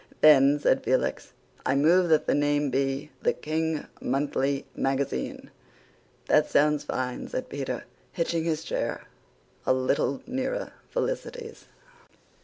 "Then," said Felix, "I move that the name be The King Monthly Magazine." "That sounds fine," said Peter, hitching his chair a little nearer Felicity's.